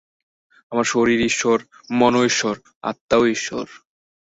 আমার শরীর ঈশ্বর, মনও ঈশ্বর, আত্মাও ঈশ্বর।